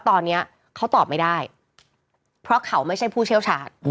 ตอนนี้เขาตอบไม่ได้เพราะเขาไม่ใช่ผู้เชี่ยวชาญ